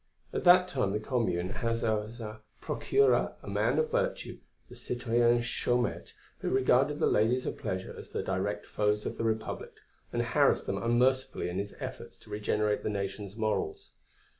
At that time the Commune had as procureur a man of virtue, the citoyen Chaumette who regarded the ladies of pleasure as the direct foes of the Republic and harassed them unmercifully in his efforts to regenerate the Nation's morals.